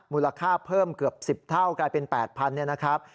มูลค่าเพิ่มเกือบ๑๐เท่ากลายเป็น๘๐๐เนี่ยนะครับ